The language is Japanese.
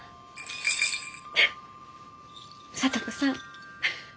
聡子さん。